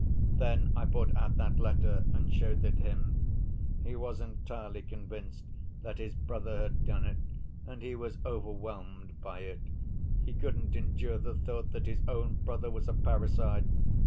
Then I brought out that letter and showed it him. He was entirely convinced that his brother had done it, and he was overwhelmed by it. He couldn't endure the thought that his own brother was a parricide!